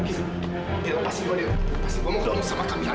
gua pasti gua mau ketemu sama kamilah